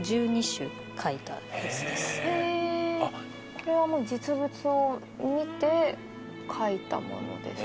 これはもう実物を見て描いたものですか？